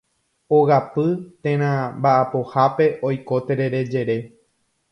Ogapy térã mba'apohápe oiko terere jere.